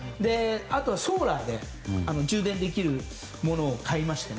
あとソーラーで充電できるものを買いまして。